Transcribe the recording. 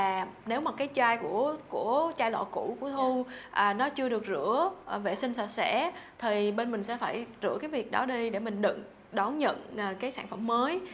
bước đầu tiên là nếu mà cái chai của chai lọ cũ của thu nó chưa được rửa vệ sinh sạch sẽ thì bên mình sẽ phải rửa cái việc đó đi để mình đứng đón nhận cái sản phẩm mới